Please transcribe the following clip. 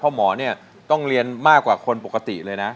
เพราะหมอเนี่ยต้องเรียนมากกว่าคนปกติเลยนะ